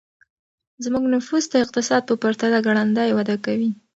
زموږ نفوس د اقتصاد په پرتله ګړندی وده کوي.